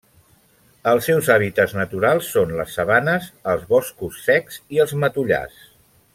Els seus hàbitats naturals són les sabanes, els boscos secs i els matollars.